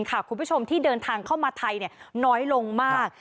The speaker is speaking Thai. คุณผู้ชมที่เดินทางเข้ามาไทยน้อยลงมาก